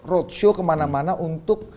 roadshow kemana mana untuk